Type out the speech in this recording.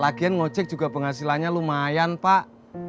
lagian ngocek juga penghasilannya lumayan pak